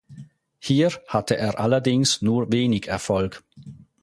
Hier hatte er allerdings nur wenig Erfolg.